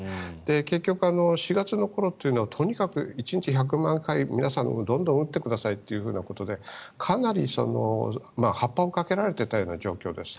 結局４月の頃というのはとにかく１日１００万回皆さん、どんどん打ってくださいということでかなり発破をかけられていたような状況です。